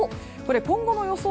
今後の予想